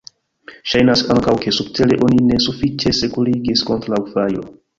Ŝajnas ankaŭ, ke subtere oni ne sufiĉe sekurigis kontraŭ fajro.